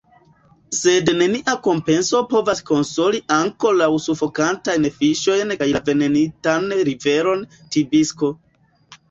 Sed nenia kompenso povas konsoli ankoraŭ sufokantajn fiŝojn kaj la venenitan riveron Tibisko.